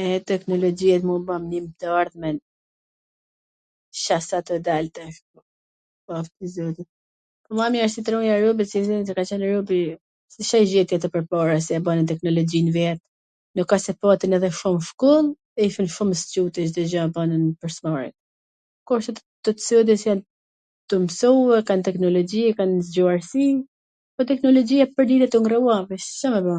e, teknologjia mu m ban mir nw t arthmen, sheh sa tw dal tash, po, pwr zotin, ma mir se t rroj robi, se ka qen robi.. Ca e gjeti atw pwrpara se e bani teknologjin vet .. nuk a sw patin edhe shum shkoll, shum t squt, Cdo gja e ban vet, pwr s mari, kurse sot jan tu msu, kan teknologji, zgjuarsi, po teknologjia pwrdit a tu ndrru ... Ca me ba.